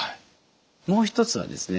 もう一つはですね